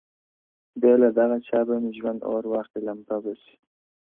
بېله دغه چا به مي ژوند اور واخلي لمبه به سي،